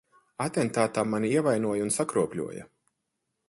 Atentātā mani ievainoja un sakropļoja.